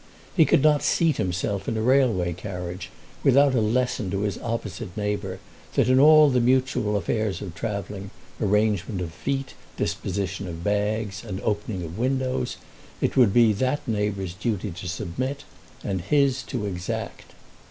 He could not seat himself in a railway carriage without a lesson to his opposite neighbour that in all the mutual affairs of travelling, arrangement of feet, disposition of bags, and opening of windows, it would be that neighbour's duty to submit and his to exact.